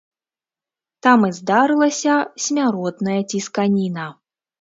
Там і здарылася смяротная цісканіна.